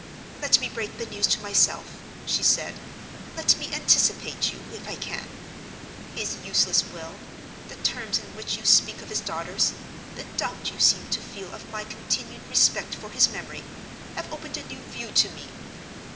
"Let me break the news to myself," she said—"let me anticipate you, if I can. His useless will, the terms in which you speak of his daughters, the doubt you seem to feel of my continued respect for his memory, have opened a new view to me.